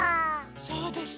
そうです。